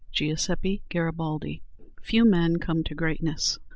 GIUSEPPE GARIBALDI. Few men come to greatness.